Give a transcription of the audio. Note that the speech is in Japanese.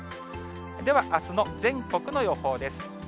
では、あすの全国の予報です。